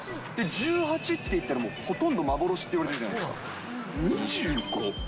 １８っていったらもう、ほとんど幻って言われてるじゃないですか。